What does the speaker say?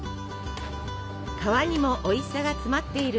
皮にもおいしさが詰まっている！